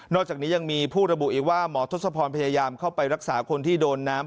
อกจากนี้ยังมีผู้ระบุอีกว่าหมอทศพรพยายามเข้าไปรักษาคนที่โดนน้ำ